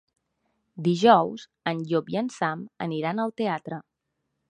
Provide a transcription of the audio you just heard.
Dijous en Llop i en Sam aniran al teatre.